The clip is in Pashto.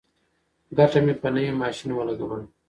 ګټه مې په نوي ماشین ولګوله.